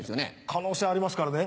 可能性ありますからね。